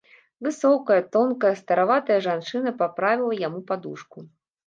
Высокая, тонкая стараватая жанчына паправіла яму падушку.